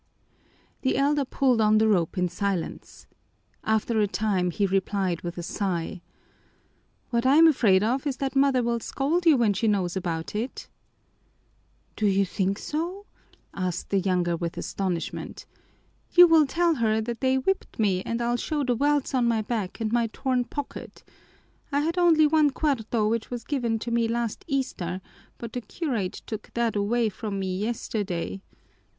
The elder pulled on the rope in silence. After a time he replied with a sigh: "What I'm afraid of is that mother will scold you when she knows about it." "Do you think so?" asked the younger with astonishment. "You will tell her that they're whipped me and I'll show the welts on my back and my torn pocket. I had only one cuarto, which was given to me last Easter, but the curate took that away from me yesterday.